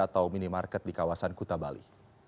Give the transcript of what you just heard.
atau minimarket di kawasan kuta bali